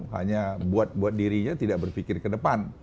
hanya buat dirinya tidak berpikir ke depan